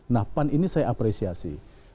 nah pan ini saya apresiasi